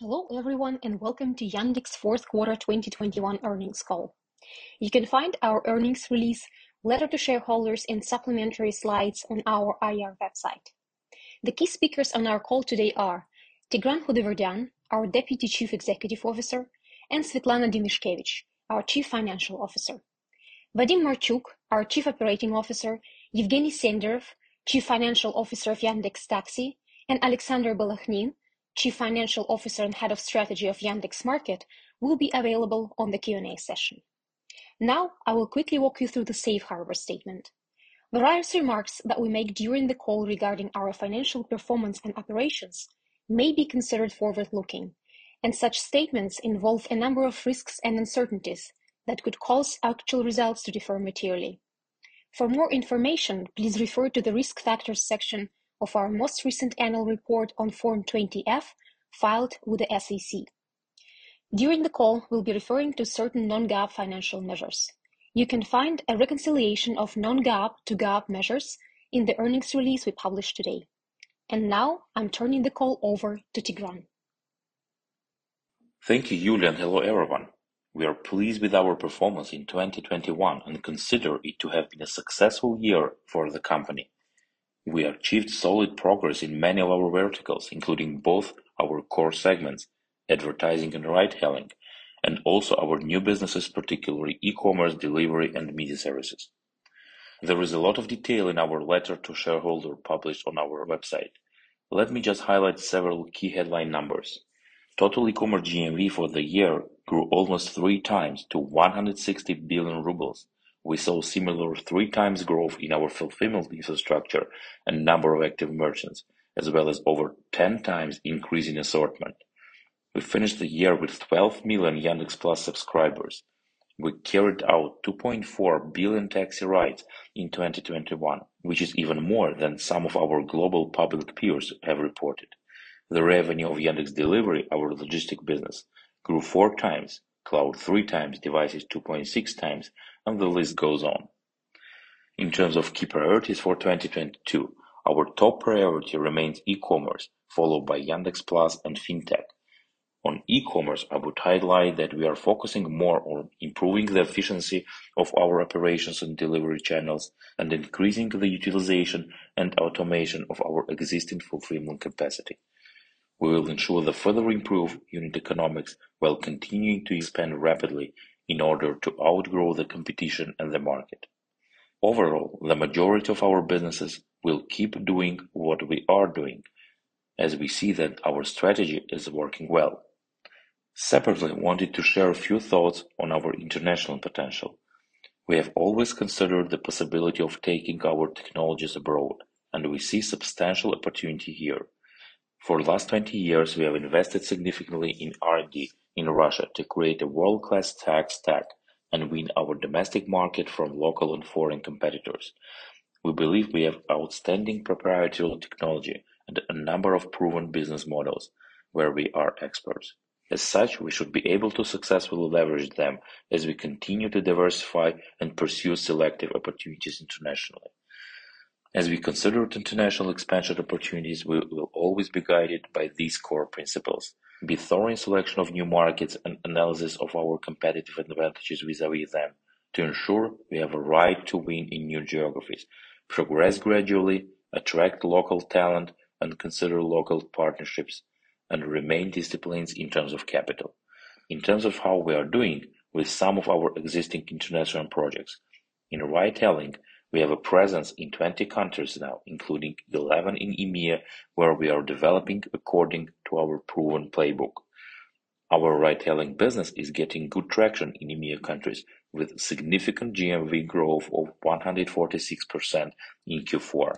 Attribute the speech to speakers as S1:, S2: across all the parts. S1: Hello, everyone, and welcome to Yandex fourth quarter 2021 earnings call. You can find our earnings release, letter to shareholders, and supplementary slides on our IR website. The key speakers on our call today are Tigran Khudaverdyan, our Deputy Chief Executive Officer, and Svetlana Demyashkevich, our Chief Financial Officer. Vadim Marchuk, our Chief Operating Officer, Yevgeny Senderov, Chief Financial Officer of Yandex Taxi, and Alexander Balakhnin, Chief Financial Officer and Head of Strategy of Yandex Market will be available on the Q and A session. Now I will quickly walk you through the safe harbor statement. Various remarks that we make during the call regarding our financial performance and operations may be considered forward-looking, and such statements involve a number of risks and uncertainties that could cause actual results to differ materially. For more information, please refer to the Risk Factors section of our most recent annual report on Form 20-F filed with the SEC. During the call, we'll be referring to certain non-GAAP financial measures. You can find a reconciliation of non-GAAP to GAAP measures in the earnings release we published today. Now I'm turning the call over to Tigran.
S2: Thank you, Yulia, and hello, everyone. We are pleased with our performance in 2021 and consider it to have been a successful year for the company. We achieved solid progress in many of our verticals, including both our core segments, advertising and ride-hailing, and also our new businesses, particularly e-commerce, delivery, and media services. There is a lot of detail in our letter to shareholder published on our website. Let me just highlight several key headline numbers. Total e-commerce GMV for the year grew almost 3 times to 160 billion rubles. We saw similar 3 times growth in our fulfillment infrastructure and number of active merchants, as well as over 10 times increase in assortment. We finished the year with 12 million Yandex Plus subscribers. We carried out 2.4 billion taxi rides in 2021, which is even more than some of our global public peers have reported. The revenue of Yandex Delivery, our logistics business, grew 4 times, Cloud 3 times, Devices 2.6 times, and the list goes on. In terms of key priorities for 2022, our top priority remains E-commerce, followed by Yandex Plus and Fintech. On E-commerce, I would highlight that we are focusing more on improving the efficiency of our operations and delivery channels and increasing the utilization and automation of our existing fulfillment capacity. We will ensure to further improve unit economics while continuing to expand rapidly in order to outgrow the competition and the market. Overall, the majority of our businesses will keep doing what we are doing as we see that our strategy is working well. Separately, I wanted to share a few thoughts on our international potential. We have always considered the possibility of taking our technologies abroad, and we see substantial opportunity here. For the last 20 years, we have invested significantly in R&D in Russia to create a world-class tech stack and win our domestic market from local and foreign competitors. We believe we have outstanding proprietary technology and a number of proven business models where we are experts. As such, we should be able to successfully leverage them as we continue to diversify and pursue selective opportunities internationally. As we consider international expansion opportunities, we will always be guided by these core principles, be thorough in selection of new markets and analysis of our competitive advantages vis-à-vis them to ensure we have a right to win in new geographies, progress gradually, attract local talent, and consider local partnerships, and remain disciplined in terms of capital. In terms of how we are doing with some of our existing international projects, in ride-hailing, we have a presence in 20 countries now, including 11 in EMEA, where we are developing according to our proven playbook. Our ride-hailing business is getting good traction in EMEA countries with significant GMV growth of 146% in Q4.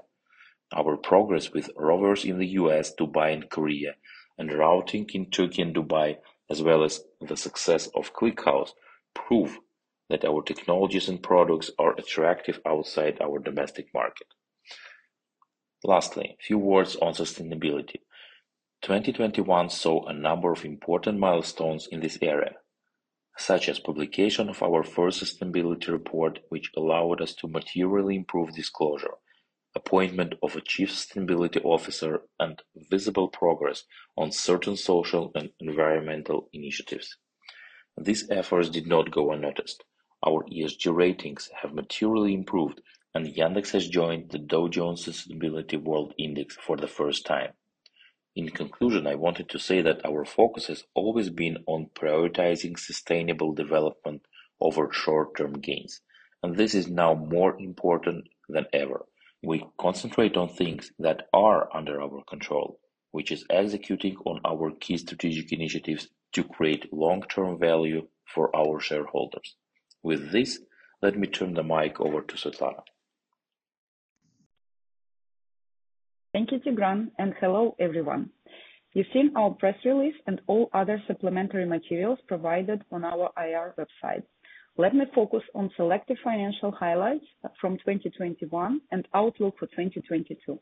S2: Our progress with Rovers in the U.S., Dubai, and Korea, and routing in Turkey and Dubai, as well as the success of ClickHouse, prove that our technologies and products are attractive outside our domestic market. Lastly, a few words on sustainability. 2021 saw a number of important milestones in this area, such as publication of our first sustainability report, which allowed us to materially improve disclosure, appointment of a chief sustainability officer, and visible progress on certain social and environmental initiatives. These efforts did not go unnoticed. Our ESG ratings have materially improved, and Yandex has joined the Dow Jones Sustainability World Index for the first time. In conclusion, I wanted to say that our focus has always been on prioritizing sustainable development over short-term gains, and this is now more important than ever. We concentrate on things that are under our control, which is executing on our key strategic initiatives to create long-term value for our shareholders. With this, let me turn the mic over to Svetlana.
S3: Thank you, Tigran, and hello, everyone. You've seen our press release and all other supplementary materials provided on our IR website. Let me focus on select financial highlights from 2021 and outlook for 2022.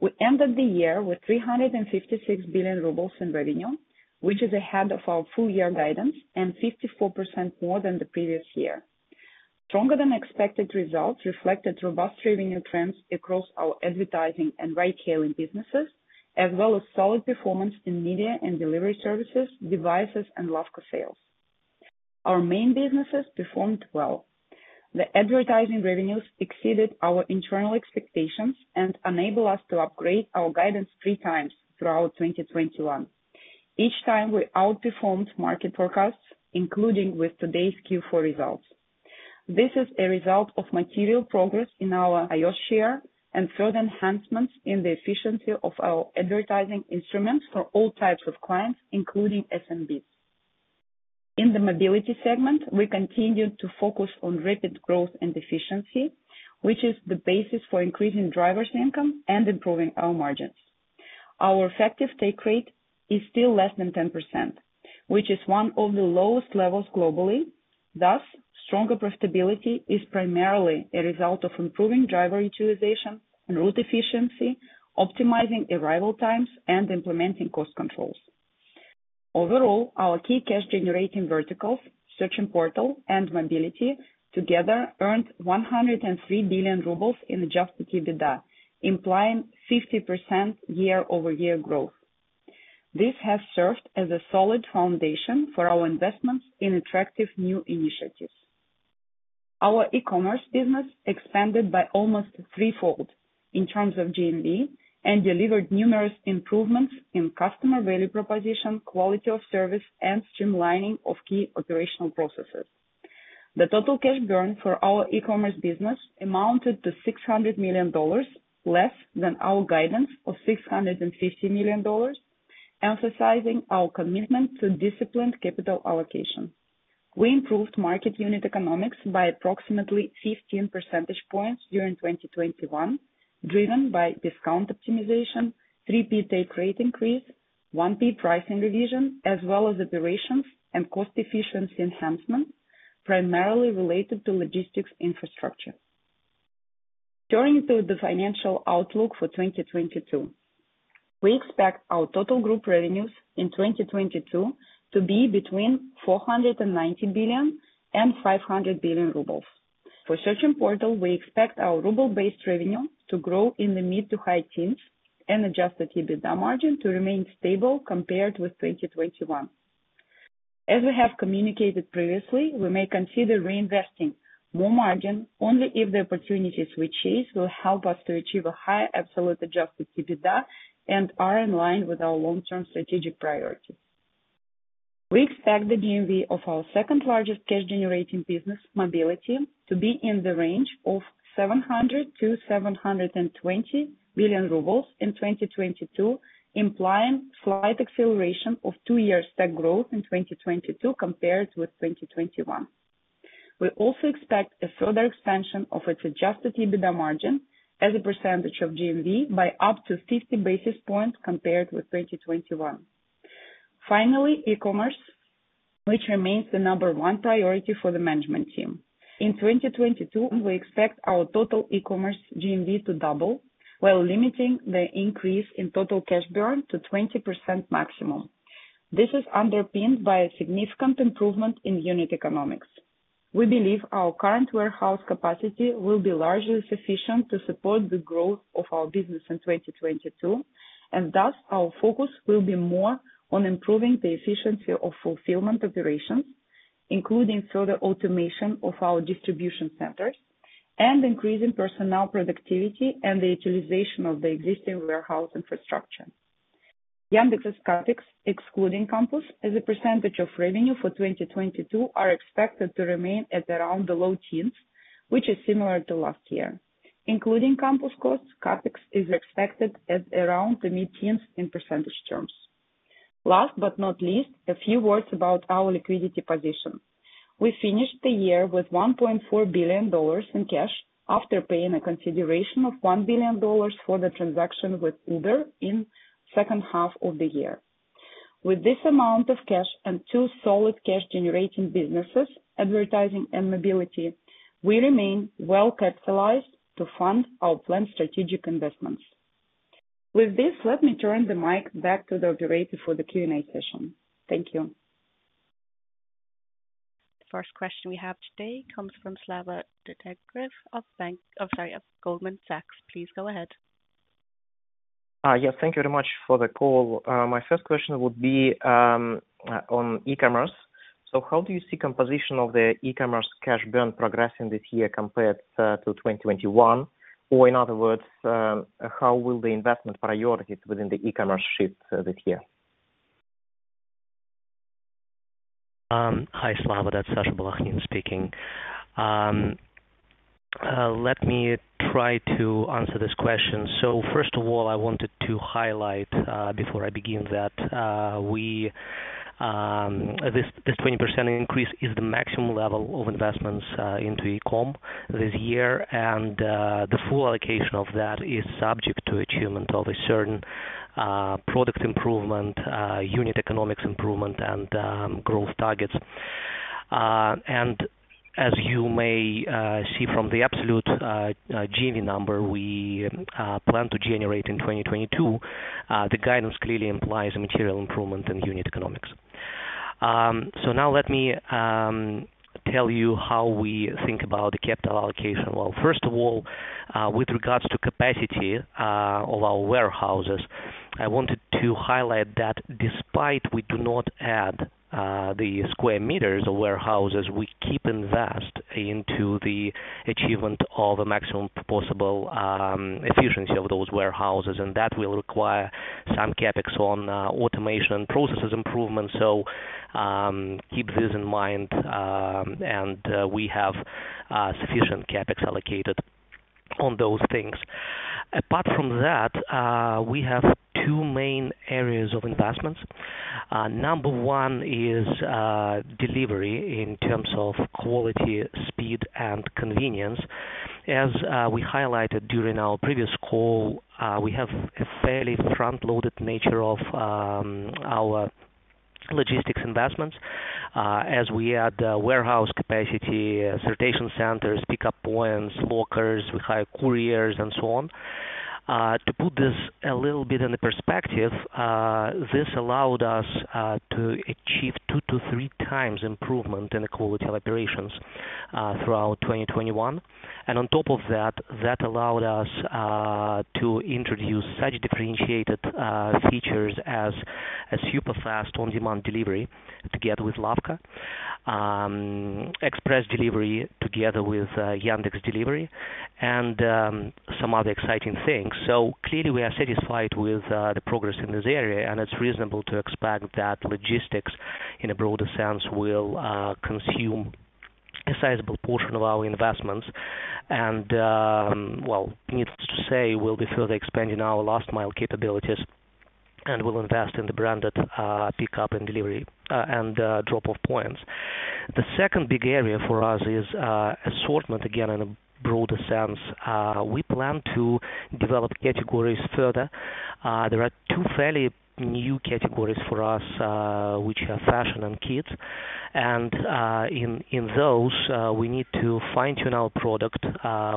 S3: We ended the year with 356 billion rubles in revenue, which is ahead of our full year guidance and 54% more than the previous year. Stronger than expected results reflected robust revenue trends across our advertising and ride-hailing businesses, as well as solid performance in media and delivery services, devices and Lavka sales. Our main businesses performed well. The advertising revenues exceeded our internal expectations and enabled us to upgrade our guidance three times throughout 2021. Each time we outperformed market forecasts, including with today's Q4 results. This is a result of material progress in our iOS share and further enhancements in the efficiency of our advertising instruments for all types of clients, including SMBs. In the mobility segment, we continue to focus on rapid growth and efficiency, which is the basis for increasing drivers' income and improving our margins. Our effective take rate is still less than 10%, which is one of the lowest levels globally. Thus, stronger profitability is primarily a result of improving driver utilization and route efficiency, optimizing arrival times, and implementing cost controls. Overall, our key cash generating verticals, Search and Portal and Mobility together earned 103 billion rubles in Adjusted EBITDA, implying 50% year-over-year growth. This has served as a solid foundation for our investments in attractive new initiatives. Our E-commerce business expanded by almost threefold in terms of GMV and delivered numerous improvements in customer value proposition, quality of service, and streamlining of key operational processes. The total cash burn for our E-commerce business amounted to $600 million, less than our guidance of $650 million, emphasizing our commitment to disciplined capital allocation. We improved market unit economics by approximately 15 percentage points during 2021, driven by discount optimization, 3P take rate increase, 1P pricing revision, as well as operations and cost efficiency enhancements primarily related to logistics infrastructure. Turning to the financial outlook for 2022. We expect our total group revenues in 2022 to be between 490 billion and 500 billion rubles. For search and portal, we expect our ruble-based revenue to grow in the mid- to high-teens% and Adjusted EBITDA margin to remain stable compared with 2021. As we have communicated previously, we may consider reinvesting more margin only if the opportunities we chase will help us to achieve a higher absolute Adjusted EBITDA and are in line with our long-term strategic priorities. We expect the GMV of our second-largest cash generating business, Mobility, to be in the range of 700 billion-720 billion rubles in 2022, implying slight acceleration of two-year stack growth in 2022 compared with 2021. We also expect a further expansion of its Adjusted EBITDA margin as a percentage of GMV by up to 50 basis points compared with 2021. Finally, E-commerce, which remains the number one priority for the management team, in 2022 we expect our total E-commerce GMV to double while limiting the increase in total cash burn to 20% maximum. This is underpinned by a significant improvement in unit economics. We believe our current warehouse capacity will be largely sufficient to support the growth of our business in 2022, and thus our focus will be more on improving the efficiency of fulfillment operations, including further automation of our distribution centers and increasing personnel productivity and the utilization of the existing warehouse infrastructure. Yandex's CapEx, excluding Compass, as a percentage of revenue for 2022 are expected to remain at around the low teens%, which is similar to last year. Including Compass costs, CapEx is expected at around the mid-teens% in percentage terms. Last but not least, a few words about our liquidity position. We finished the year with $1.4 billion in cash after paying a consideration of $1 billion for the transaction with Uber in second half of the year. With this amount of cash and two solid cash generating businesses, advertising and mobility, we remain well capitalized to fund our planned strategic investments. With this, let me turn the mic back to the operator for the Q and A session. Thank you.
S4: First question we have today comes from Vyacheslav Degtyarev of Goldman Sachs. Please go ahead.
S5: Yes, thank you very much for the call. My first question would be on E-commerce. How do you see composition of the E-commerce cash burn progressing this year compared to 2021? In other words, how will the investment priorities within the E-commerce shift this year?
S6: Hi, Vyacheslav. That'sSasha Balakhnin speaking. Let me try to answer this question. First of all, I wanted to highlight, before I begin, that this 20% increase is the maximum level of investments into e-com this year. The full allocation of that is subject to achievement of a certain product improvement, unit economics improvement, and growth targets. As you may see from the absolute GMV number we plan to generate in 2022, the guidance clearly implies a material improvement in unit economics. Now let me tell you how we think about the capital allocation. Well, first of all, with regards to capacity of our warehouses, I wanted to highlight that despite we do not add the square meters of warehouses, we keep invest into the achievement of a maximum possible efficiency of those warehouses, and that will require some CapEx on automation processes improvement. Keep this in mind, and we have sufficient CapEx allocated on those things. Apart from that, we have two main areas of investments. Number one is delivery in terms of quality, speed, and convenience. As we highlighted during our previous call, we have a fairly front-loaded nature of our logistics investments as we add warehouse capacity, sortation centers, pickup points, walkers. We hire couriers and so on. To put this a little bit into perspective, this allowed us to achieve 2-3 times improvement in the quality of operations throughout 2021. On top of that allowed us to introduce such differentiated features as super fast on-demand delivery together with Lavka, express delivery together with Yandex Delivery and some other exciting things. Clearly we are satisfied with the progress in this area, and it's reasonable to expect that logistics in a broader sense will consume a sizable portion of our investments. Well, needless to say, we'll be further expanding our last-mile capabilities, and we'll invest in the branded pickup and delivery and drop-off points. The second big area for us is assortment, again, in a broader sense. We plan to develop categories further. There are two fairly new categories for us, which are Fashion and Kids. In those, we need to fine-tune our product.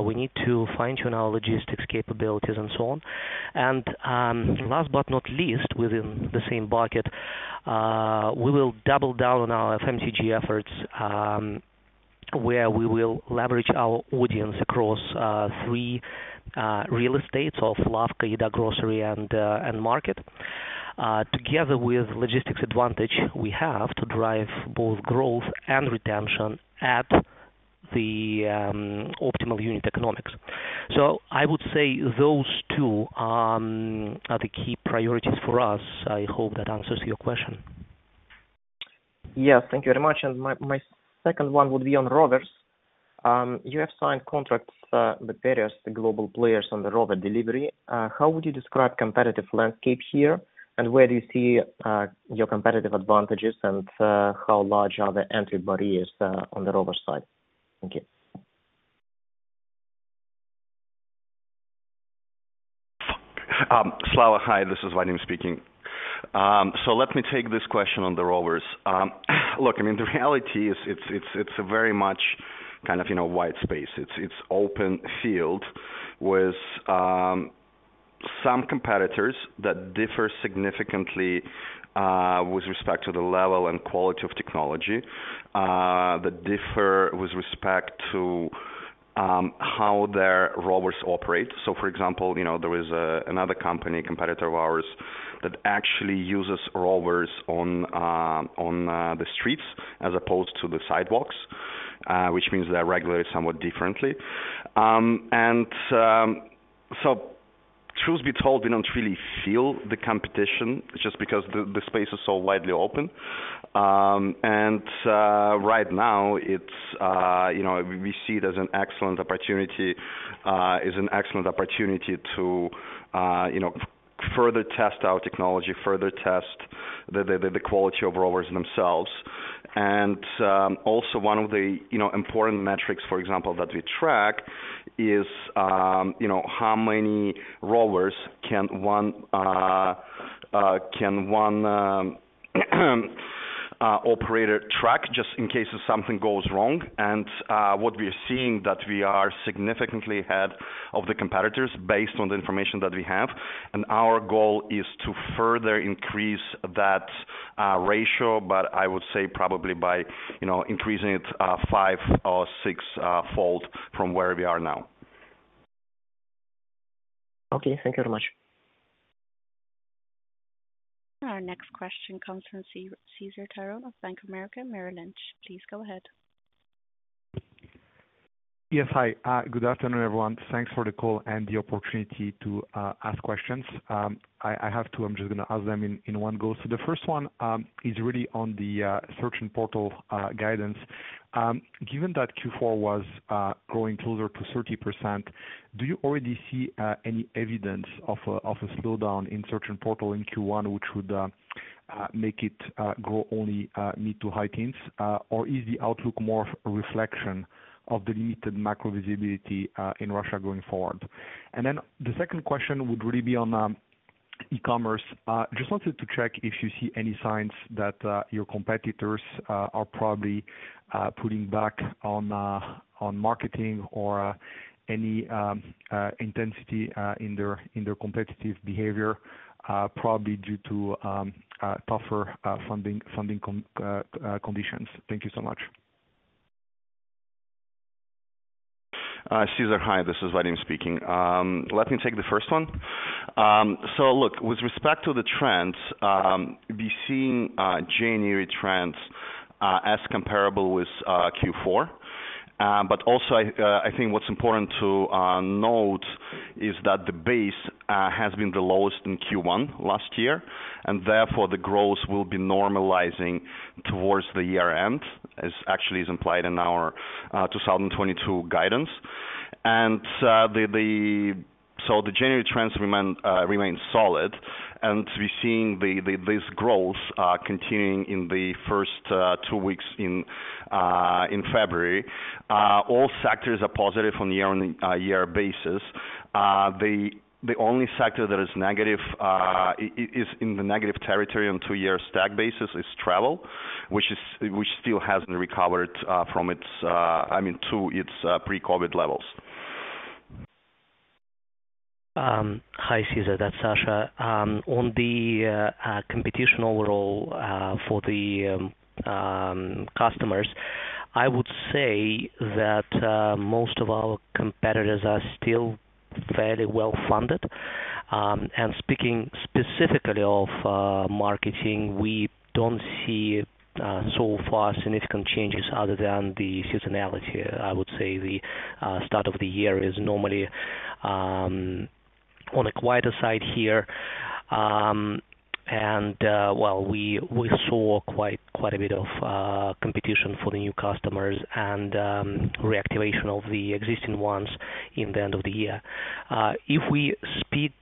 S6: We need to fine-tune our logistics capabilities and so on. Last but not least, within the same bucket, we will double down on our FMCG efforts, where we will leverage our audience across three real estates of Lavka, Eda Grocery, and Market. Together with logistics advantage we have to drive both growth and retention at the optimal unit economics. I would say those two are the key priorities for us. I hope that answers your question.
S5: Yes. Thank you very much. My second one would be on Yandex.Rover. You have signed contracts with various global players on the Rover delivery. How would you describe competitive landscape here? Where do you see your competitive advantages? How large are the entry barriers on the Rover side? Thank you.
S7: Vyacheslav, hi, this is Vadim speaking. Let me take this question on the Yandex.Rover. Look, I mean, the reality is it's a very much kind of, you know, wide space. It's open field with some competitors that differ significantly with respect to the level and quality of technology that differ with respect to how their Yandex.Rover operate. For example, you know, there is another company competitor of ours that actually uses Yandex.Rover on the streets as opposed to the sidewalks, which means they're regulated somewhat differently. Truth be told, we don't really feel the competition just because the space is so widely open. Right now it's you know we see it as an excellent opportunity to you know further test our technology further test the quality of Yandex.Rover themselves. Also one of the important metrics for example that we track is you know how many Yandex.Rover can one operator track just in case if something goes wrong. What we are seeing that we are significantly ahead of the competitors based on the information that we have. Our goal is to further increase that ratio but I would say probably by you know increasing it five or six fold from where we are now.
S5: Okay. Thank you very much.
S4: Our next question comes from Cesar Tiron of Bank of America Merrill Lynch. Please go ahead.
S8: Yes. Hi, good afternoon, everyone. Thanks for the call and the opportunity to ask questions. I have two. I'm just gonna ask them in one go. The first one is really on the search and portal guidance. Given that Q4 was growing closer to 30%, do you already see any evidence of a slowdown in search and portal in Q1, which would make it grow only mid- to high-teens%? Or is the outlook more reflection of the limited macro visibility in Russia going forward? The second question would really be on E-commerce. Just wanted to check if you see any signs that your competitors are probably pulling back on marketing or any intensity in their competitive behavior, probably due to tougher funding conditions. Thank you so much.
S7: Cesar, hi, this is Vadim speaking. Let me take the first one. Look, with respect to the trends, we're seeing January trends as comparable with Q4. But also I think what's important to note is that the base has been the lowest in Q1 last year, and therefore the growth will be normalizing towards the year-end, as actually is implied in our 2022 guidance. The January trends remain solid, and we're seeing this growth continuing in the first two weeks in February. All sectors are positive on a year-on-year basis. The only sector that is negative is in the negative territory on two-year stack basis is travel, which still hasn't recovered, I mean, to its pre-COVID levels.
S6: Hi, Cesar. That's Sasha. On the competition overall for the customers, I would say that most of our competitors are still fairly well-funded. Speaking specifically of marketing, we don't see so far significant changes other than the seasonality. I would say the start of the year is normally on a quieter side here. Well, we saw quite a bit of competition for the new customers and reactivation of the existing ones in the end of the year. If we speak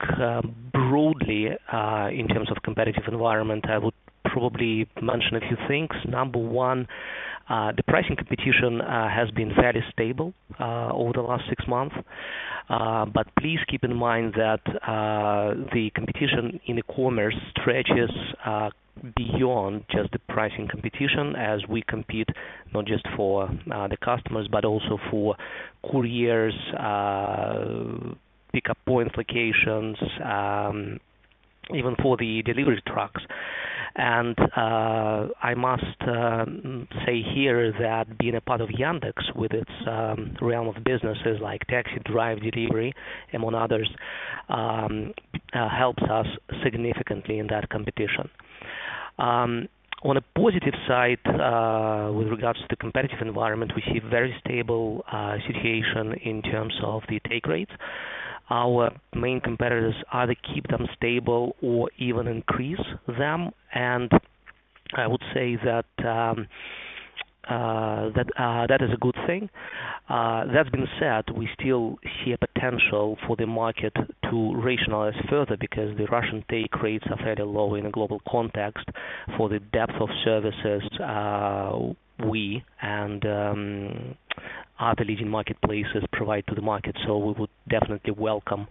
S6: broadly in terms of competitive environment, I would probably mention a few things. Number one, the pricing competition has been fairly stable over the last six months. Please keep in mind that the competition in E-commerce stretches beyond just the pricing competition as we compete not just for the customers, but also for couriers, pickup point locations, even for the delivery trucks. I must say here that being a part of Yandex with its realm of businesses like taxi, drive, delivery, among others, helps us significantly in that competition. On a positive side, with regards to the competitive environment, we see very stable situation in terms of the take rates. Our main competitors either keep them stable or even increase them, and I would say that that is a good thing. That being said, we still see a potential for the market to rationalize further because the Russian take rates are fairly low in a global context for the depth of services we and other leading marketplaces provide to the market. We would definitely welcome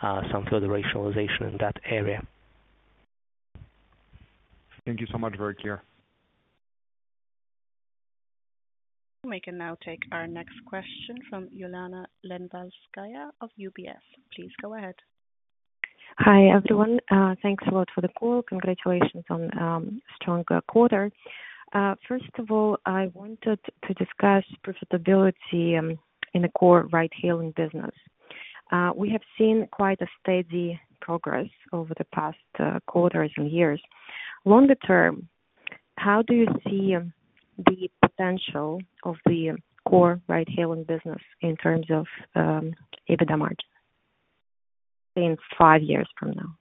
S6: some further rationalization in that area.
S8: Thank you so much. Very clear.
S4: We can now take our next question from Ulyana Lenvalskaya of UBS. Please go ahead.
S9: Hi, everyone. Thanks a lot for the call. Congratulations on strong quarter. First of all, I wanted to discuss profitability in the core ride-hailing business. We have seen quite a steady progress over the past quarters and years. Longer term, how do you see the potential of the core ride-hailing business in terms of EBITDA margin in five years from now?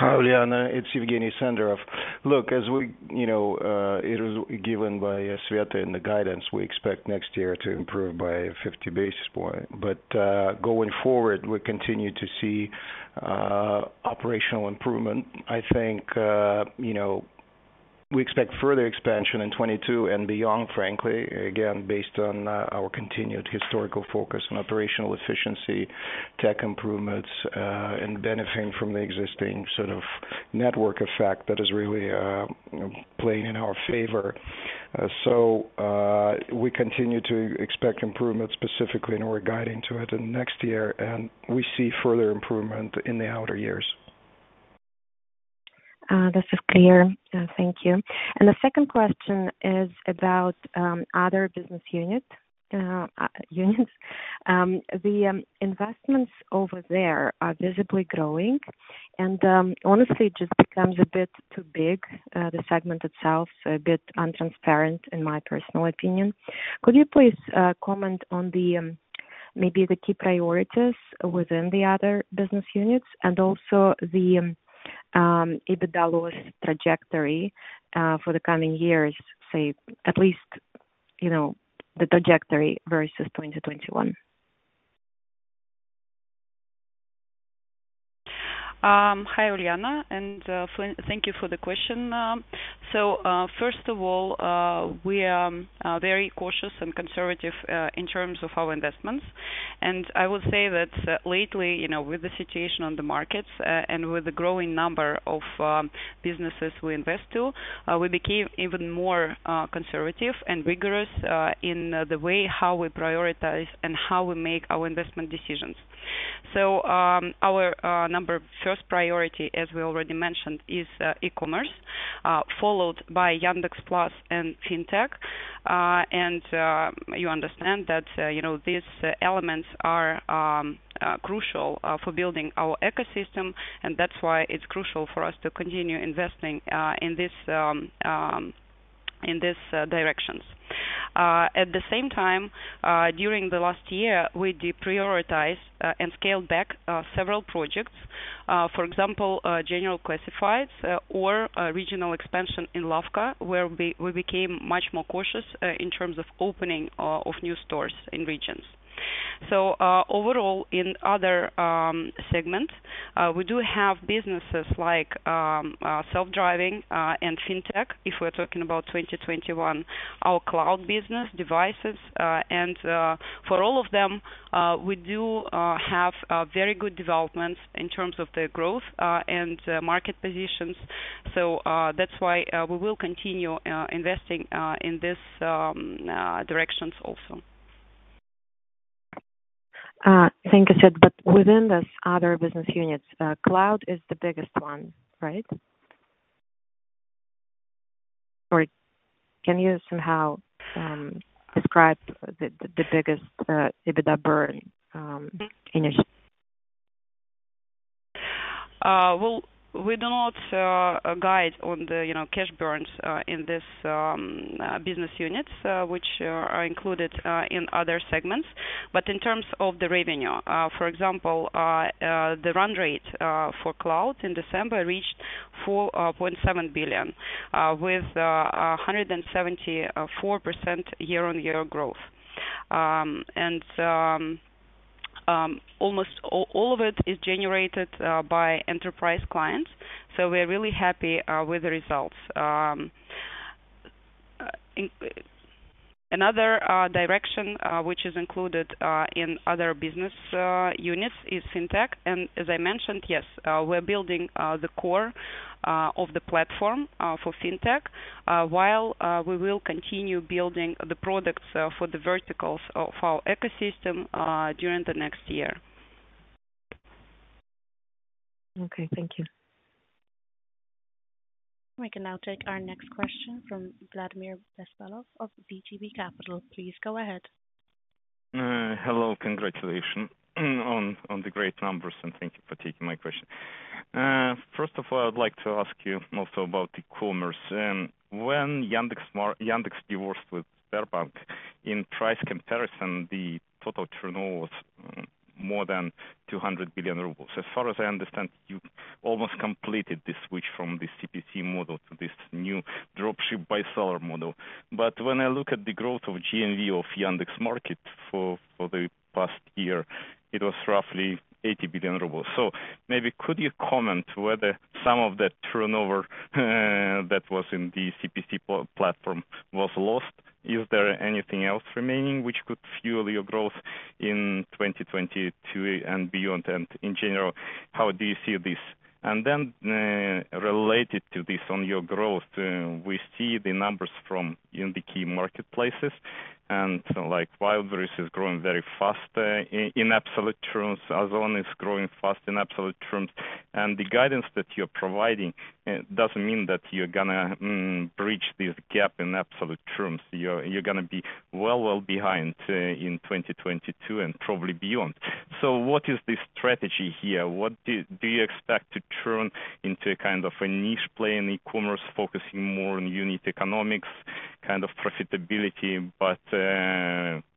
S10: Hi, Ulyana. It's Yevgeny Senderov. Look, as we, you know, it was given by Svetlana in the guidance, we expect next year to improve by 50 basis points. Going forward, we continue to see operational improvement. I think, you know, we expect further expansion in 2022 and beyond, frankly, again, based on our continued historical focus on operational efficiency, tech improvements, and benefiting from the existing sort of network effect that is really playing in our favor. We continue to expect improvements specifically, and we're guiding to it in next year, and we see further improvement in the outer years.
S9: This is clear. Thank you. The second question is about other business units. The investments over there are visibly growing and honestly just becomes a bit too big. The segment itself a bit untransparent in my personal opinion. Could you please comment on maybe the key priorities within the other business units and also the EBITDA loss trajectory for the coming years, say at least, you know, the trajectory versus 2021?
S3: Hi, Ulyana, thank you for the question. First of all, we are very cautious and conservative in terms of our investments. I would say that lately, you know, with the situation on the markets, and with the growing number of businesses we invest to, we became even more conservative and rigorous in the way how we prioritize and how we make our investment decisions. Our number one priority, as we already mentioned, is E-commerce, followed by Yandex Plus and FinTech. You understand that, you know, these elements are crucial for building our ecosystem, and that's why it's crucial for us to continue investing in these directions. At the same time, during the last year, we deprioritized and scaled back several projects. For example, general classifieds or a regional expansion in Lavka, where we became much more cautious in terms of opening of new stores in regions. Overall, in other segments, we do have businesses like self-driving and FinTech, if we're talking about 2021, our cloud business devices. For all of them, we do have very good developments in terms of their growth and market positions. That's why we will continue investing in this directions also.
S9: Thank you. Within these other business units, cloud is the biggest one, right? Or can you somehow describe the biggest EBITDA burn in your?
S3: Well, we do not guide on the, you know, cash burns in this business units which are included in other segments. In terms of the revenue, for example, the run rate for cloud in December reached 4.7 billion with 174% year-on-year growth. Almost all of it is generated by enterprise clients. We're really happy with the results. Another direction which is included in other business units is FinTech. As I mentioned, yes, we're building the core of the platform for FinTech while we will continue building the products for the verticals of our ecosystem during the next year.
S9: Okay, thank you.
S4: We can now take our next question from Vladimir Bespalov of VTB Capital. Please go ahead.
S11: Hello. Congratulations on the great numbers, and thank you for taking my question. First of all, I would like to ask you mostly about E-commerce. When Yandex divorced with Sberbank, in price comparison, the total turnover was more than 200 billion rubles. As far as I understand, you almost completed the switch from this CPC model to this new dropship buyer-seller model. When I look at the growth of GMV of Yandex Market for the past year, it was roughly 80 billion rubles. Maybe could you comment whether some of that turnover that was in the CPC platform was lost? Is there anything else remaining which could fuel your growth in 2022 and beyond? In general, how do you see this? Related to this, on your growth, we see the numbers from in the key marketplaces, and like, Wildberries is growing very fast, in absolute terms. Ozon is growing fast in absolute terms. The guidance that you're providing doesn't mean that you're gonna bridge this gap in absolute terms. You're gonna be well behind in 2022 and probably beyond. What is the strategy here? What do you expect to turn into a kind of a niche play in e-commerce, focusing more on unit economics, kind of profitability, but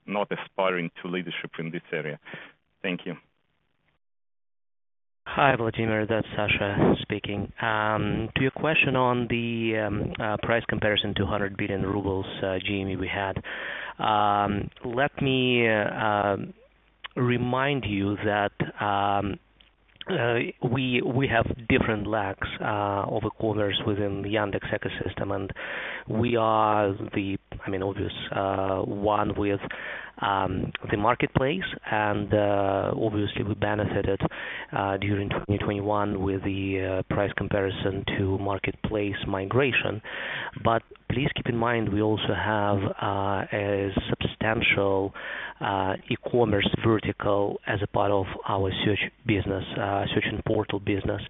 S11: not aspiring to leadership in this area? Thank you.
S6: Hi, Vladimir. That's Sasha speaking. To your question on the price comparison, 200 billion rubles GMV we had. Let me remind you that we have different lags over quarters within the Yandex ecosystem, and we are the, I mean, obvious one with the marketplace. Obviously we benefited during 2021 with the price comparison to marketplace migration. Please keep in mind we also have a substantial E-commerce vertical as a part of our search business, search and portal business.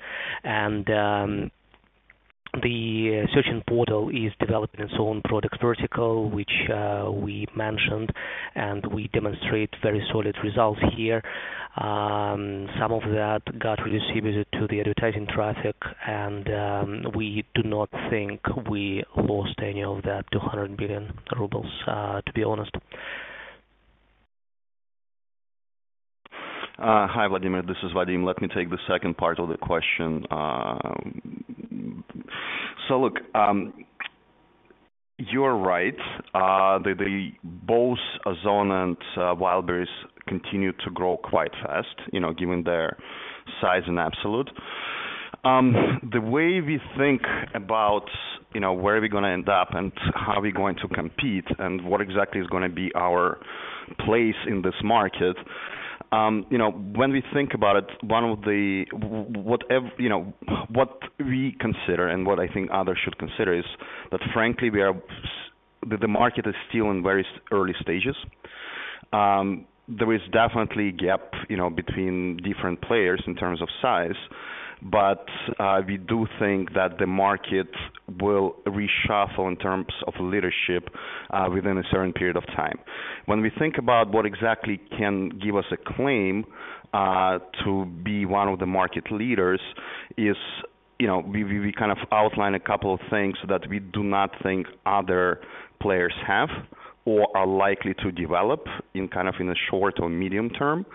S6: The search and portal is developing its own product vertical, which we mentioned, and we demonstrate very solid results here. Some of that got redirected to the advertising traffic, and we do not think we lost any of that 200 billion rubles, to be honest.
S7: Hi, Vladimir. This is Vadim. Let me take the second part of the question. So look, you are right. The both Ozon and Wildberries continue to grow quite fast, you know, given their size and absolute. The way we think about, you know, where are we gonna end up and how are we going to compete and what exactly is gonna be our place in this market, you know, when we think about it, one of the what we consider and what I think others should consider is that, frankly, the market is still in very early stages. There is definitely gap, you know, between different players in terms of size, but we do think that the market will reshuffle in terms of leadership within a certain period of time. When we think about what exactly can give us a claim to be one of the market leaders is, you know, we kind of outline a couple of things that we do not think other players have or are likely to develop in the short or medium term.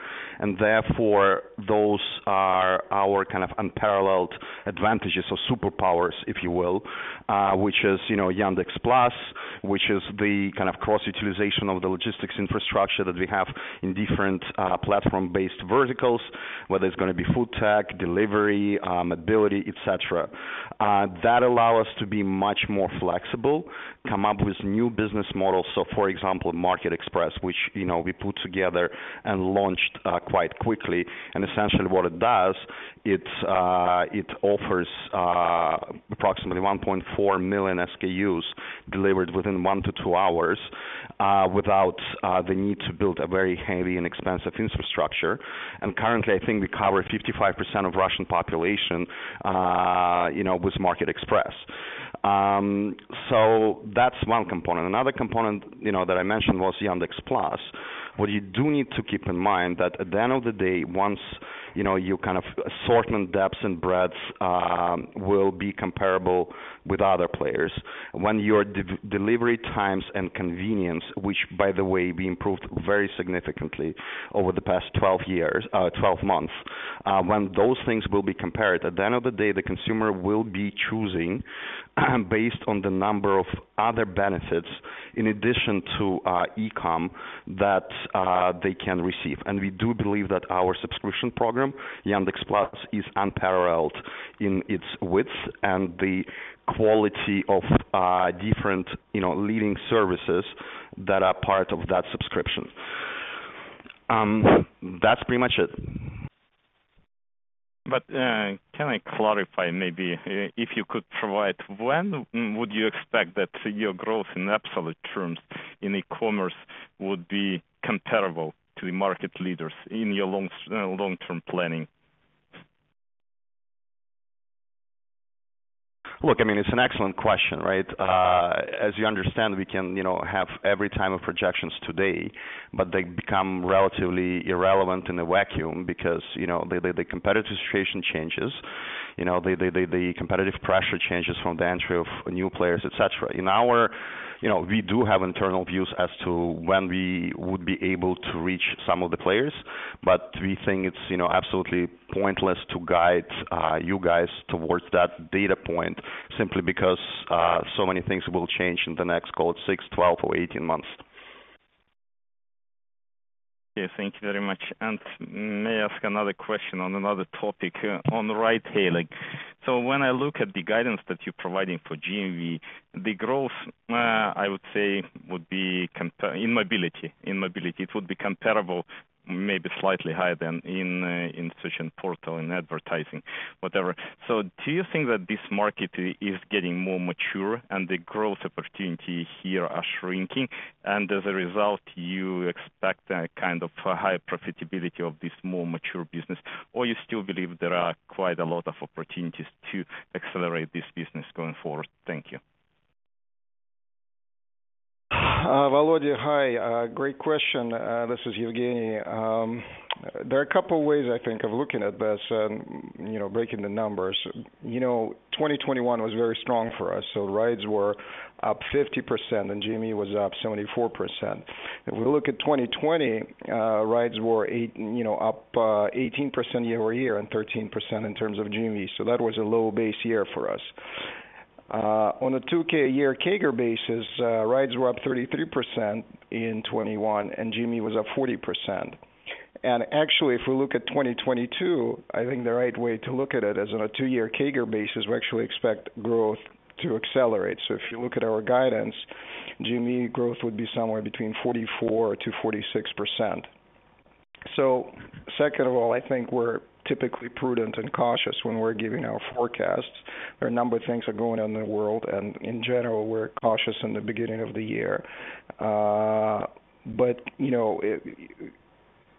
S7: Therefore, those are our kind of unparalleled advantages or superpowers, if you will, which is, you know, Yandex Plus, which is the kind of cross utilization of the logistics infrastructure that we have in different platform-based verticals, whether it's gonna be food tech, delivery, mobility, et cetera, that allow us to be much more flexible, come up with new business models. For example, Market Express, which, you know, we put together and launched quite quickly. Essentially what it does, it's, it offers approximately 1.4 million SKUs delivered within one to two hours without the need to build a very heavy and expensive infrastructure. Currently, I think we cover 55% of Russian population, you know, with Market Express. So that's one component. Another component, you know, that I mentioned was Yandex Plus. What you do need to keep in mind that at the end of the day, once, you know, you kind of assortment depths and breadths will be comparable with other players. When your delivery times and convenience, which by the way, we improved very significantly over the past 12 months. When those things will be compared, at the end of the day, the consumer will be choosing based on the number of other benefits in addition to e-com that they can receive. We do believe that our subscription program, Yandex Plus, is unparalleled in its width and the quality of different, you know, leading services that are part of that subscription. That's pretty much it.
S11: Can I clarify maybe, if you could provide, when would you expect that your growth in absolute terms in E-commerce would be comparable to the market leaders in your long-term planning?
S7: Look, I mean, it's an excellent question, right? As you understand, we can, you know, have every type of projections today, but they become relatively irrelevant in a vacuum because, you know, the competitive situation changes. You know, we do have internal views as to when we would be able to reach some of the players, but we think it's, you know, absolutely pointless to guide you guys towards that data point simply because so many things will change in the next, call it six, 12 or 18 months.
S11: Okay, thank you very much. May I ask another question on another topic, on ride-hailing. When I look at the guidance that you're providing for GMV, the growth, I would say would be comparable in Mobility, maybe slightly higher than in search and portal, in advertising, whatever. Do you think that this market is getting more mature and the growth opportunity here are shrinking, and as a result, you expect a kind of higher profitability of this more mature business, or you still believe there are quite a lot of opportunities to accelerate this business going forward? Thank you.
S10: Vladimir, hi. Great question. This is Yevgeny Senderov. There are a couple of ways I think of looking at this and, you know, breaking the numbers. You know, 2021 was very strong for us. Rides were up 50% and GMV was up 74%. If we look at 2020, rides were up 18% year-over-year and 13% in terms of GMV. That was a low base year for us. On a two-year CAGR basis, rides were up 33% in 2021, and GMV was up 40%. Actually, if we look at 2022, I think the right way to look at it is on a two-year CAGR basis. We actually expect growth to accelerate. If you look at our guidance, GMV growth would be somewhere between 44%-46%. Second of all, I think we're typically prudent and cautious when we're giving our forecasts. There are a number of things are going on in the world, and in general, we're cautious in the beginning of the year. You know,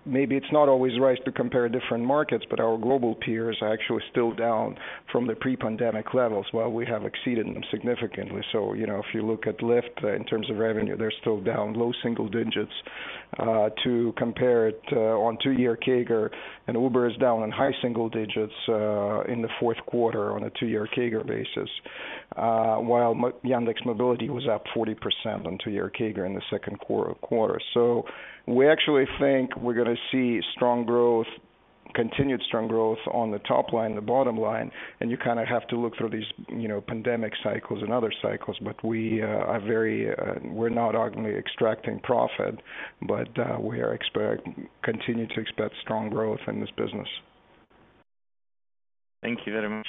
S10: maybe it's not always right to compare different markets, but our global peers are actually still down from the pre-pandemic levels, while we have exceeded them significantly. You know, if you look at Lyft in terms of revenue, they're still down low single digits to compare it on two-year CAGR. Uber is down in high single digits in the fourth quarter on a two-year CAGR basis. While Yandex Mobility was up 40% on two-year CAGR in the second quarter. We actually think we're gonna see strong growth, continued strong growth on the top line, the bottom line, and you kinda have to look through these, you know, pandemic cycles and other cycles. We're not arguing extracting profit, but we continue to expect strong growth in this business.
S11: Thank you very much.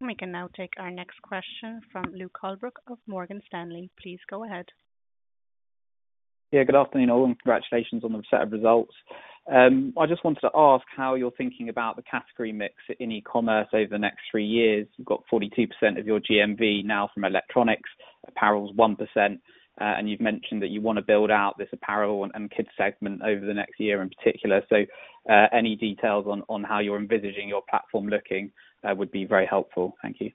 S4: We can now take our next question from Luke Holbrook of Morgan Stanley. Please go ahead.
S12: Yeah. Good afternoon, all, and congratulations on the set of results. I just wanted to ask how you're thinking about the category mix in e-commerce over the next three years. You've got 42% of your GMV now from electronics. Apparel is 1%. You've mentioned that you wanna build out this apparel and kids segment over the next year in particular. Any details on how you're envisaging your platform looking would be very helpful. Thank you.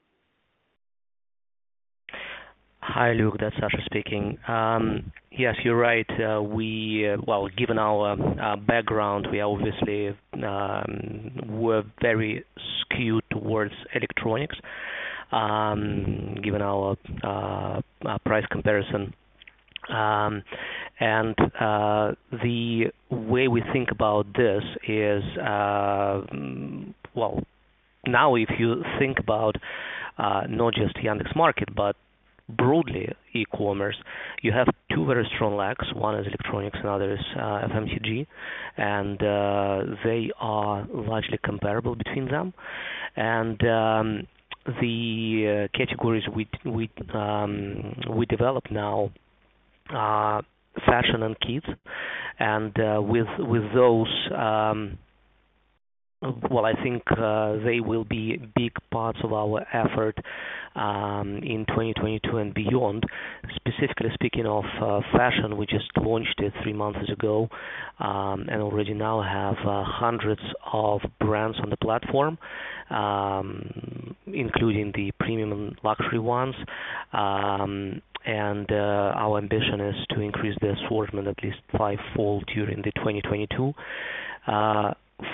S6: Hi, Luke. That's Sasha speaking. Yes, you're right. Well, given our background, we obviously we're very skewed towards electronics, given our price comparison. The way we think about this is, well, now if you think about not just Yandex Market, but broadly E-commerce, you have two very strong legs. One is electronics, another is FMCG. They are largely comparable between them. The categories we develop now are Fashion and Kids. With those, well, I think they will be big parts of our effort in 2022 and beyond. Specifically speaking of Fashion, we just launched it three months ago, and already now have hundreds of brands on the platform, including the premium luxury ones. Our ambition is to increase the assortment at least fivefold during 2022.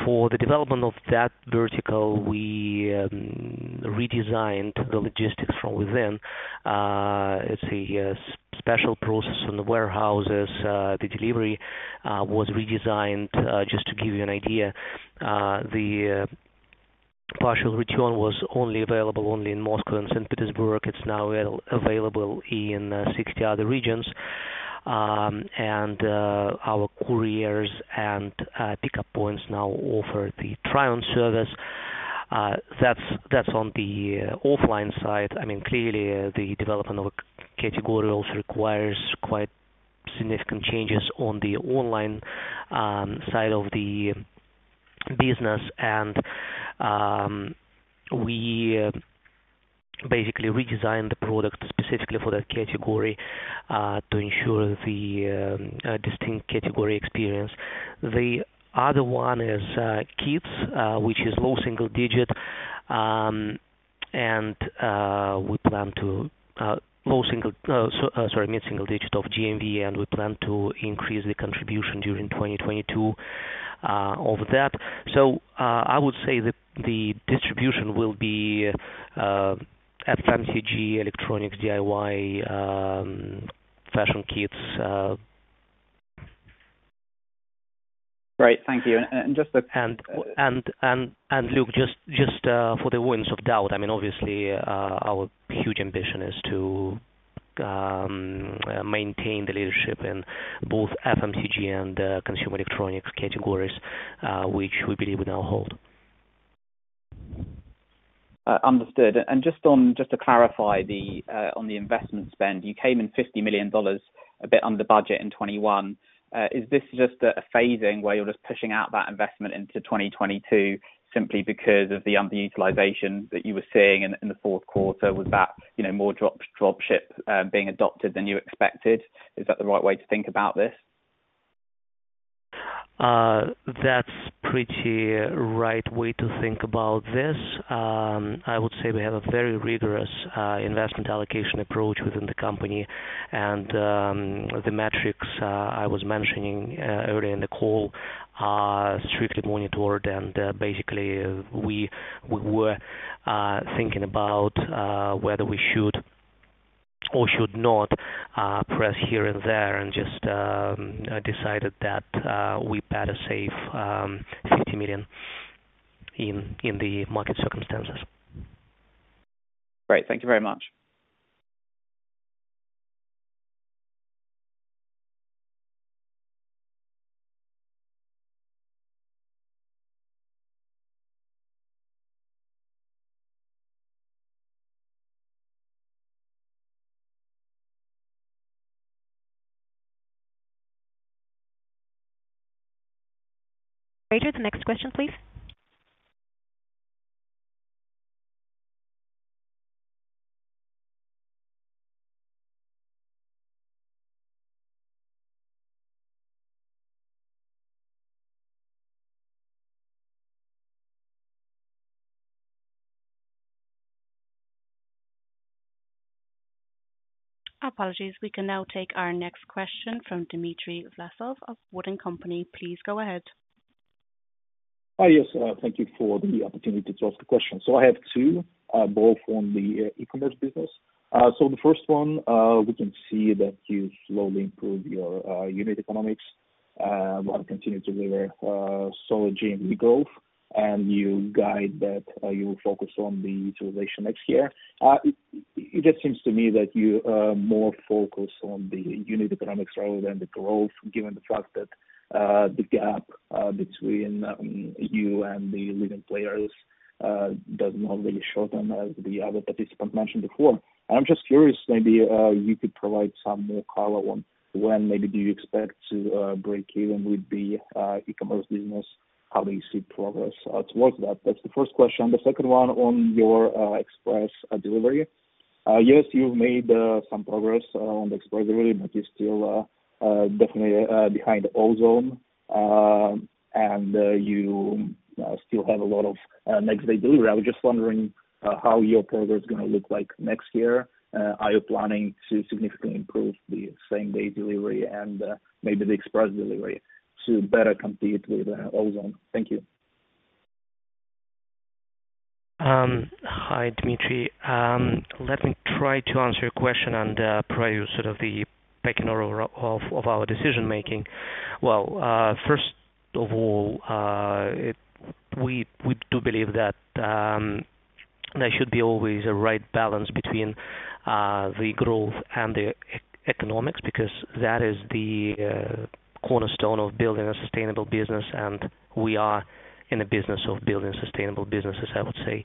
S6: For the development of that vertical, we redesigned the logistics from within. It's a special process in the warehouses. The delivery was redesigned. Just to give you an idea, the partial return was only available in Moscow and St. Petersburg. It's now available in 60 other regions. Our couriers and pickup points now offer the try-on service. That's on the offline side. I mean, clearly the development of a category also requires quite significant changes on the online side of the business. We basically redesigned the product specifically for that category to ensure the distinct category experience. The other one is Kids, which is low single digit. We plan to mid-single digit of GMV, and we plan to increase the contribution during 2022 of that. I would say that the distribution will be FMCG, electronics, DIY, Fashion Kids.
S12: Right. Thank you.
S6: Luke, just for the avoidance of doubt, I mean, obviously, our huge ambition is to maintain the leadership in both FMCG and consumer electronics categories, which we believe we now hold.
S12: Understood. Just to clarify on the investment spend, you came in $50 million, a bit under budget in 2021. Is this just a phasing where you're just pushing out that investment into 2022 simply because of the underutilization that you were seeing in the fourth quarter? Was that, you know, more drop ship being adopted than you expected? Is that the right way to think about this?
S6: That's pretty right way to think about this. I would say we have a very rigorous investment allocation approach within the company. The metrics I was mentioning earlier in the call are strictly monitored. Basically we were thinking about whether we should or should not press here and there, and just decided that we better save 50 million in the market circumstances.
S12: Great. Thank you very much.
S1: Operator, the next question, please.
S4: Apologies. We can now take our next question from Dmitry Vlasov of VTB Capital. Please go ahead.
S13: Hi, yes. Thank you for the opportunity to ask the question. I have two, both on the E-commerce business. The first one, we can see that you slowly improve your unit economics while continuing to deliver solid GMV growth. You guide that you will focus on the utilization next year. It just seems to me that you are more focused on the unit economics rather than the growth, given the fact that the gap between you and the leading players does not really shorten as the other participant mentioned before. I'm just curious, maybe you could provide some more color on when maybe do you expect to break even with the E-commerce business? How do you see progress towards that? That's the first question. The second one on your express delivery. Yes, you've made some progress around express delivery, but you're still definitely behind the Ozon. You still have a lot of next day delivery. I was just wondering how your progress is gonna look like next year. Are you planning to significantly improve the same-day delivery and maybe the express delivery to better compete with Ozon? Thank you.
S6: Hi, Dmitry. Let me try to answer your question and provide you sort of the pecking order of our decision-making. Well, first of all, we do believe that there should be always a right balance between the growth and the economics, because that is the cornerstone of building a sustainable business, and we are in the business of building sustainable businesses, I would say.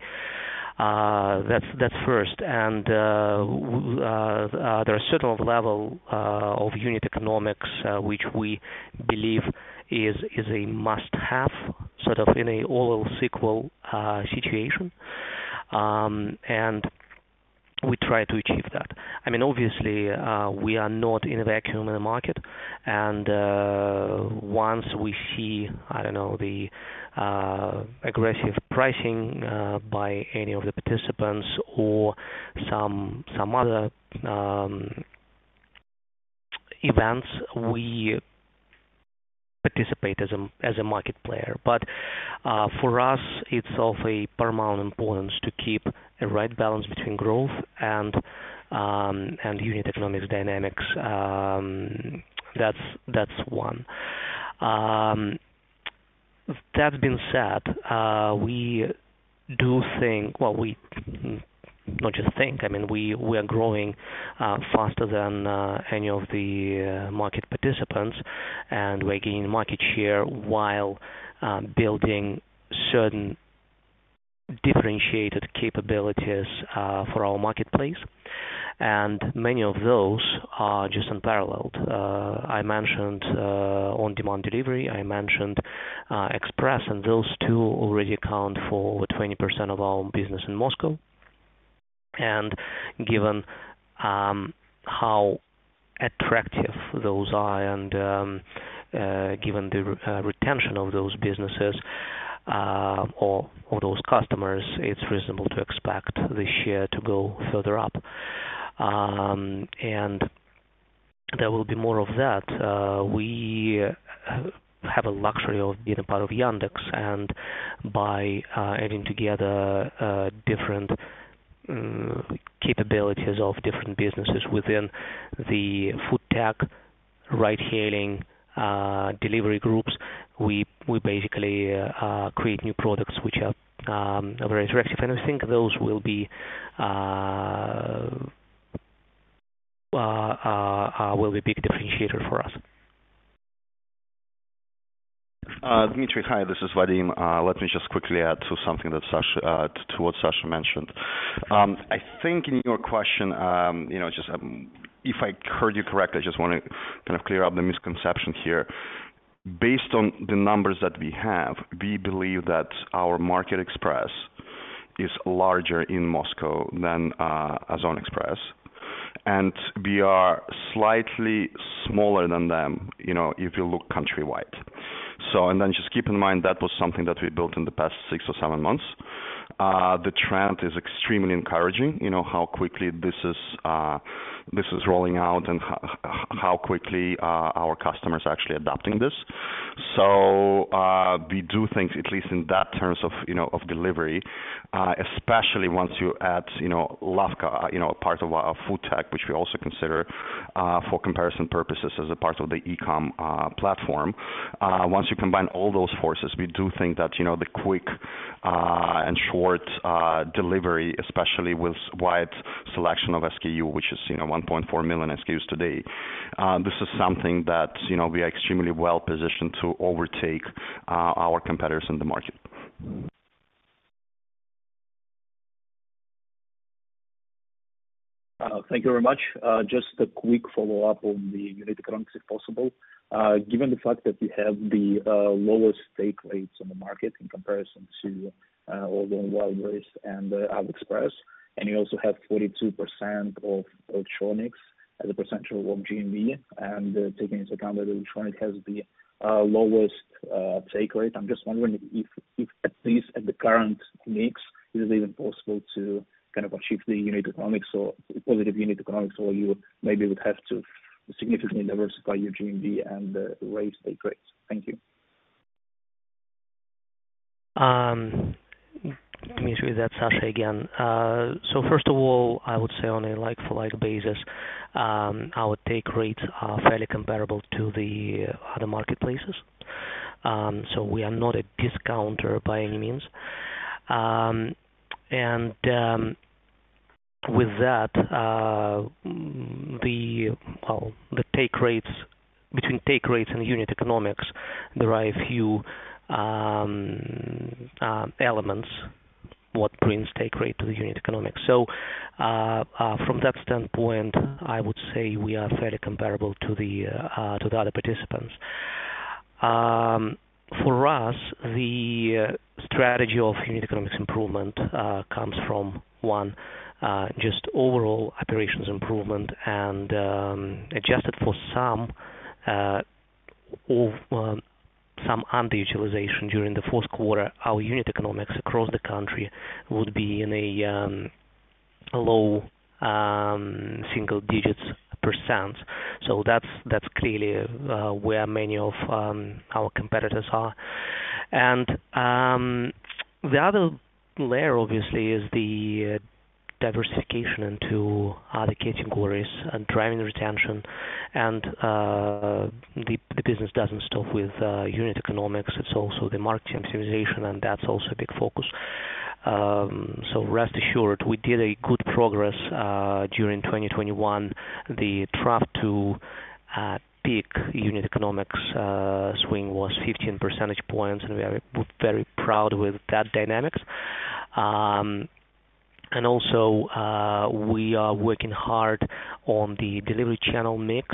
S6: That's first. There are certain level of unit economics which we believe is a must-have, sort of in all scenarios situation. We try to achieve that. I mean, obviously, we are not in a vacuum in the market, and once we see, I don't know, the aggressive pricing by any of the participants or some other events, we participate as a market player. For us, it's of paramount importance to keep a right balance between growth and unit economics dynamics. That's one. That being said, we not just think, I mean, we are growing faster than any of the market participants, and we're gaining market share while building certain differentiated capabilities for our marketplace. Many of those are just unparalleled. I mentioned on-demand delivery. I mentioned express, and those two already account for over 20% of our business in Moscow. Given how attractive those are and given the retention of those businesses or those customers, it's reasonable to expect the share to go further up. There will be more of that. We have a luxury of being a part of Yandex, and by adding together different capabilities of different businesses within the food tech, ride-hailing, delivery groups, we basically create new products which are very attractive. I think those will be big differentiator for us.
S7: Dmitry, hi, this is Vadim. Let me just quickly add to something that Sasha mentioned. I think in your question, you know, just if I heard you correctly, I just wanna kind of clear up the misconception here. Based on the numbers that we have, we believe that our Market Express is larger in Moscow than Ozon Express, and we are slightly smaller than them, you know, if you look countrywide. Just keep in mind, that was something that we built in the past six or seven months. The trend is extremely encouraging, you know, how quickly this is rolling out and how quickly our customers are actually adopting this. We do think, at least in those terms of, you know, of delivery, especially once you add, you know, Lavka, you know, part of our food tech, which we also consider, for comparison purposes as a part of the e-com platform. Once you combine all those forces, we do think that, you know, the quick and short delivery, especially with wide selection of SKU, which is, you know, 1.4 million SKUs today, this is something that, you know, we are extremely well-positioned to overtake our competitors in the market.
S13: Thank you very much. Just a quick follow-up on the unit economics, if possible. Given the fact that you have the lowest take rates on the market in comparison to all the Wildberries and AliExpress, and you also have 42% of electronics as a percentage of GMV, and taking into account that electronics has the lowest take rate, I'm just wondering if at least at the current mix, is it even possible to kind of achieve the unit economics or positive unit economics, or you maybe would have to significantly diversify your GMV and raise take rates? Thank you.
S6: Dmitry, that's Sasha again. First of all, I would say on a like-for-like basis, our take rates are fairly comparable to the other marketplaces. We are not a discounter by any means. With that, well, the take rates between take rates and unit economics derive from a few elements. What brings take rate to the unit economics. From that standpoint, I would say we are fairly comparable to the other participants. For us, the strategy of unit economics improvement comes from one just overall operations improvement and, adjusted for some underutilization during the fourth quarter, our unit economics across the country would be in a low single-digit percent. That's clearly where many of our competitors are. The other layer obviously is the diversification into other categories and driving retention. The business doesn't stop with unit economics. It's also the market optimization, and that's also a big focus. Rest assured, we did a good progress during 2021. The trough to peak unit economics swing was 15 percentage points, and we are very proud with that dynamics. We are working hard on the delivery channel mix.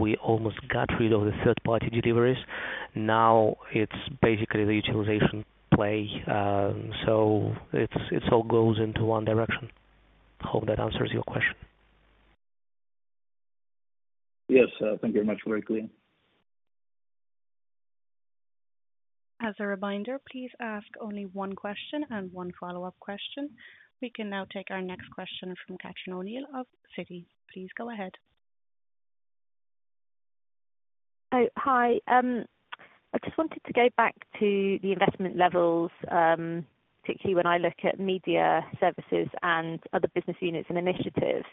S6: We almost got rid of the third party deliveries. Now it's basically the utilization play. It all goes into one direction. Hope that answers your question.
S13: Yes. Thank you very much. Very clear.
S4: As a reminder, please ask only one question and one follow-up question. We can now take our next question from Catherine O'Neill of Citi. Please go ahead.
S14: Oh, hi. I just wanted to go back to the investment levels, particularly when I look at media services and other business units and initiatives.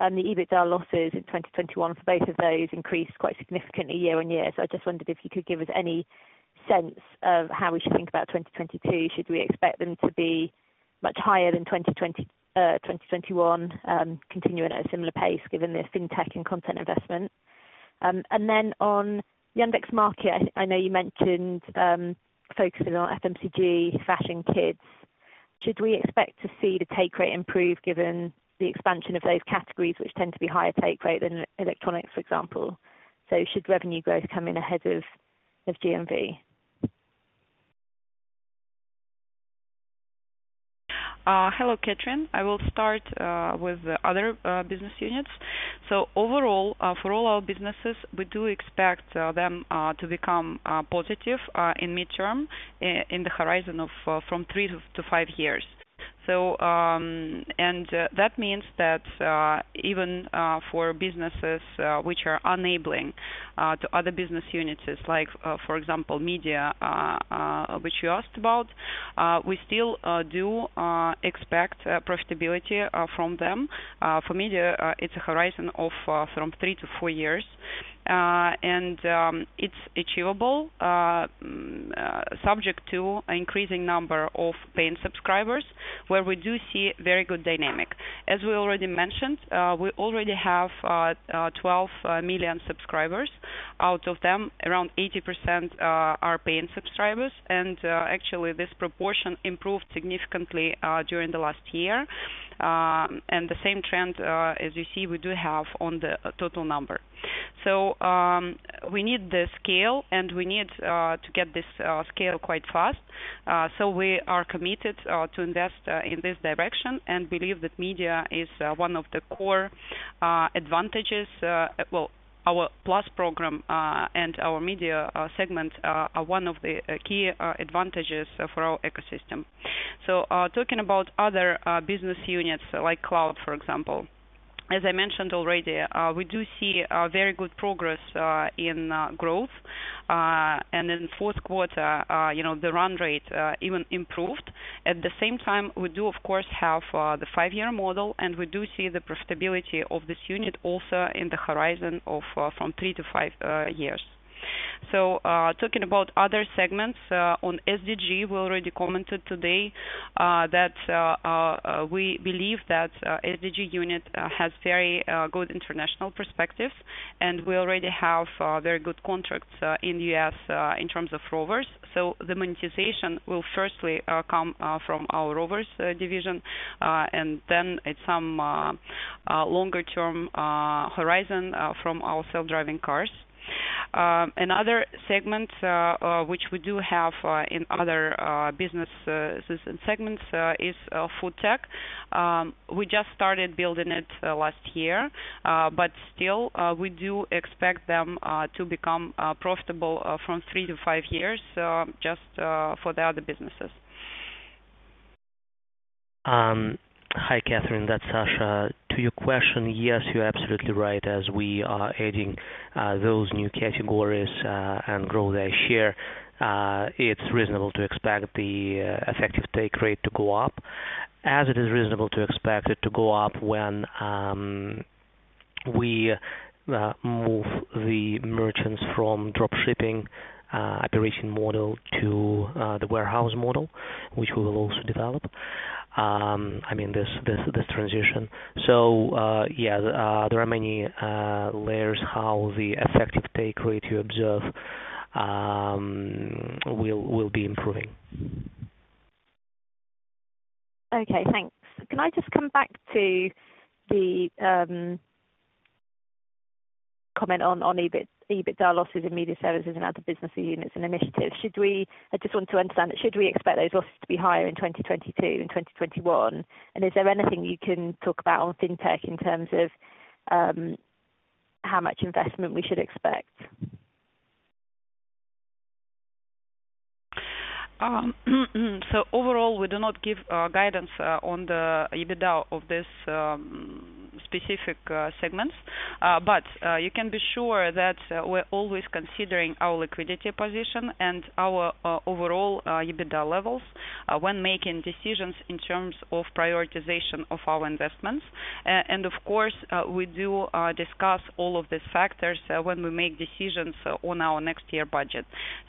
S14: The EBITDA losses in 2021 for both of those increased quite significantly year on year. I just wondered if you could give us any sense of how we should think about 2022. Should we expect them to be much higher than 2020, 2021, continuing at a similar pace given their FinTech and content investment? And then on Yandex Market, I know you mentioned focusing on FMCG, Fashion Kids. Should we expect to see the take rate improve given the expansion of those categories, which tend to be higher take rate than electronics, for example? Should revenue growth come in ahead of GMV?
S3: Hello, Catherine. I will start with the other business units. Overall, for all our businesses, we do expect them to become positive in midterm in the horizon of three to five years. That means that even for businesses which are enabling to other business units like, for example, media, which you asked about, we still do expect profitability from them. For media, it's a horizon of three to four years, and it's achievable subject to increasing number of paying subscribers, where we do see very good dynamic. As we already mentioned, we already have 12 million subscribers. Out of them, around 80% are paying subscribers. Actually, this proportion improved significantly during the last year. The same trend as you see, we do have on the total number. We need the scale, and we need to get this scale quite fast. We are committed to invest in this direction and believe that media is one of the core advantages. Well, our Plus program and our media segment are one of the key advantages for our ecosystem. Talking about other business units like Cloud, for example. As I mentioned already, we do see very good progress in growth and in fourth quarter, you know, the run rate even improved. At the same time, we do of course have the five-year model, and we do see the profitability of this unit also in the horizon of three to five years. Talking about other segments, on SDG, we already commented today that we believe that SDG unit has very good international perspective, and we already have very good contracts in U.S. in terms of rovers. The monetization will firstly come from our rovers division and then at some longer term horizon from our self-driving cars. Another segment which we do have in other business system segments is food tech. We just started building it last year, but still, we do expect them to become profitable from three to five years, just for the other businesses.
S6: Hi, Catherine. That's Sasha. To your question, yes, you're absolutely right. As we are adding those new categories and grow their share, it's reasonable to expect the effective take rate to go up as it is reasonable to expect it to go up when we move the merchants from drop shipping operation model to the warehouse model, which we will also develop. I mean, this transition. Yeah, there are many layers how the effective take rate you observe will be improving.
S14: Okay, thanks. Can I just come back to the comment on EBIT, EBITDA losses in media services and other business units and initiatives? I just want to understand, should we expect those losses to be higher in 2022 and 2021? Is there anything you can talk about on FinTech in terms of how much investment we should expect?
S3: Overall, we do not give guidance on the EBITDA of this specific segments. You can be sure that we're always considering our liquidity position and our overall EBITDA levels when making decisions in terms of prioritization of our investments. Of course, we do discuss all of these factors when we make decisions on our next year budget.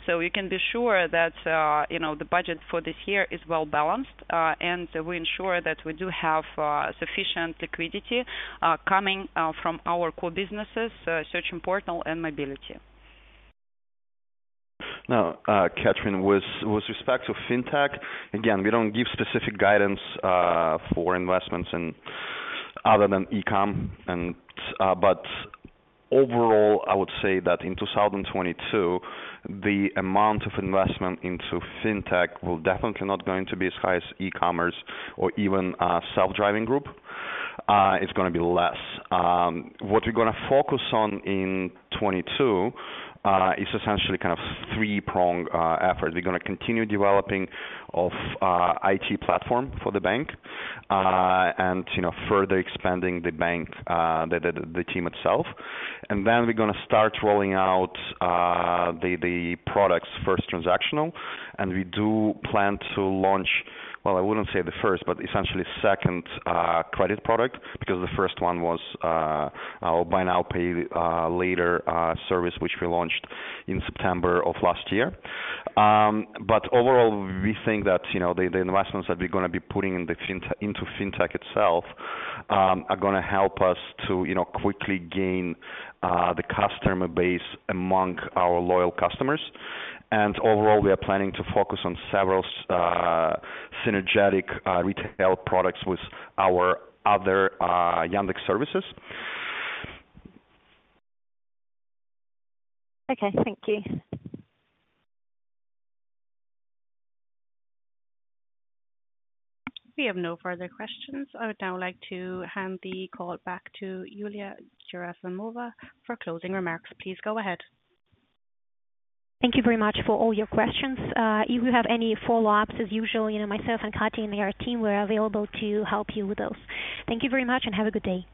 S3: You can be sure that, you know, the budget for this year is well-balanced and we ensure that we do have sufficient liquidity coming from our core businesses, Search and Portal and Mobility.
S7: Now, Catherine, with respect to FinTech, again, we don't give specific guidance for investments in other than E-com. But overall, I would say that in 2022, the amount of investment into FinTech will definitely not going to be as high as E-commerce or even self-driving group. It's gonna be less. What we're gonna focus on in 2022 is essentially kind of three prong effort. We're gonna continue developing of IT platform for the bank, and you know, further expanding the bank, the team itself. We're gonna start rolling out the products first transactional, and we do plan to launch, well, I wouldn't say the first, but essentially second credit product, because the first one was our buy now pay later service, which we launched in September of last year. Overall, we think that, you know, the investments that we're gonna be putting into FinTech itself are gonna help us to, you know, quickly gain the customer base among our loyal customers. Overall, we are planning to focus on several synergistic retail products with our other Yandex services.
S14: Okay, thank you.
S4: We have no further questions. I would now like to hand the call back to Yulia Gerasimova for closing remarks. Please go ahead.
S1: Thank you very much for all your questions. If you have any follow-ups, as usual, you know, myself and Ksenia and our team, we're available to help you with those. Thank you very much and have a good day.